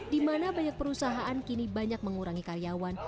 di mana banyak perusahaan kini banyak mengurangi karyawan